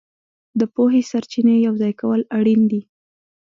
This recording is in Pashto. د پوهې سرچینې یوځای کول اړین دي.